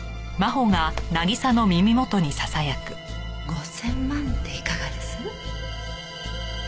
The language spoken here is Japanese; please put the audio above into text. ５０００万でいかがです？